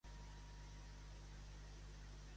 Com van passar el trajecte al vaixell?